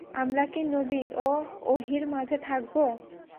আমরা কি নবী ও ওহীর মাঝে থাকব?